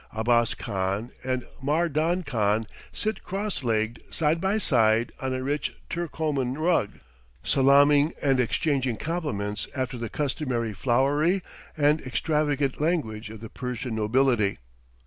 Abbas Khan and Mar dan Khan sit cross legged side by side on a rich Turcoman rug, salaaming and exchanging compliments after the customary flowery and extravagant language of the Persian nobility.